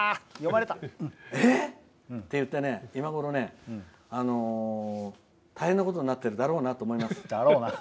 ええ！って言って今ごろ大変なことになってるだろうと思います。